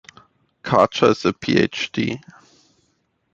Karcher is a Ph.D.